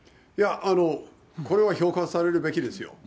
これは評価されるべきですよ。